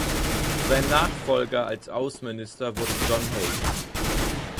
Sein Nachfolger als Außenminister wurde John Hay.